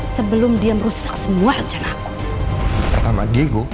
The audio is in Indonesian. sebelum dia merusak semua rencana aku pertama diego